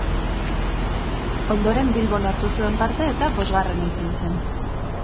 Ondoren Bilbon hartu zuen parte eta bosgarrena izan zen.